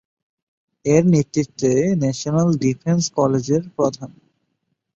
এর নেতৃত্বে national defence কলেজের প্রধান।